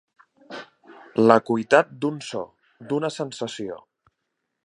L'acuïtat d'un so, d'una sensació.